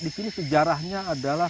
disini sejarahnya adalah